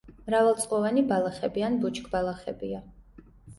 მრავალწლოვანი ბალახები ან ბუჩქბალახებია.